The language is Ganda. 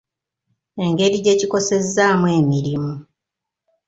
Engeri gye kikosezzaamu emirimu.